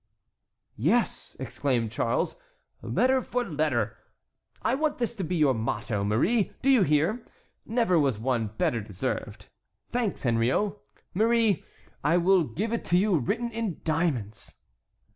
"Yes," exclaimed Charles, "letter for letter. I want this to be your motto, Marie, do you hear? Never was one better deserved. Thanks, Henriot. Marie, I will give it to you written in diamonds."